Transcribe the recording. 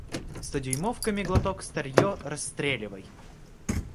Стодюймовками глоток старье расстреливай!